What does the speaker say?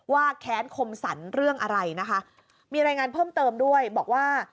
แค้นคมสรรเรื่องอะไรนะคะมีรายงานเพิ่มเติมด้วยบอกว่า